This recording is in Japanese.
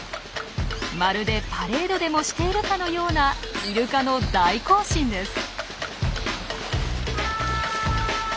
まるでパレードでもしているかのようなイルカの大行進です。